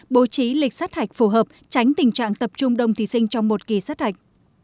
bố trí lịch sát hạch phù hợp tránh tình trạng tập trung đông thí sinh trong một kỳ sát hạch